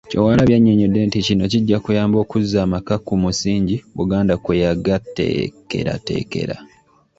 Kyewalabye annyonnyodde nti, kino kijja kuyamba okuzza amaka ku musingi Buganda kwe yagateekerateekera.